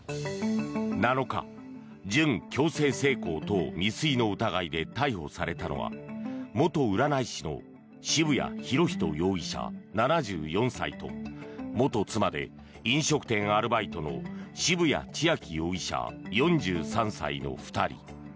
７日準強制性交等未遂の疑いで逮捕されたのは元占い師の渋谷博仁容疑者、７４歳と元妻で飲食店アルバイトの渋谷千秋容疑者、４３歳の２人。